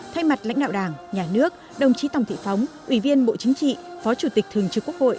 thay mặt lãnh đạo đảng nhà nước đồng chí tòng thị phóng ủy viên bộ chính trị phó chủ tịch thường trực quốc hội